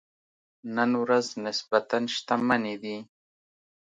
نن ورځ نسبتاً شتمنې دي.